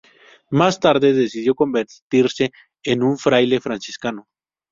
Más tarde decidió convertirse en un fraile franciscano.